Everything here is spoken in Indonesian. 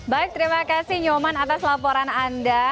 baik terima kasih nyoman atas laporan anda